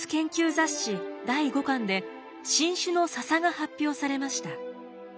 第５巻で新種のササが発表されました。